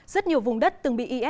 rất nhiều vùng đất từng bị is chạy bỏ